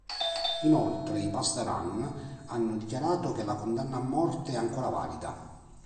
Inoltre i Pasdaran hanno dichiarato che la condanna a morte è ancora valida.